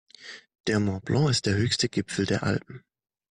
Der Mont Blanc ist der höchste Gipfel der Alpen.